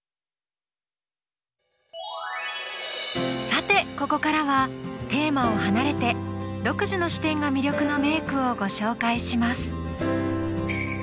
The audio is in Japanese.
さてここからはテーマを離れて独自の視点が魅力の名句をご紹介します。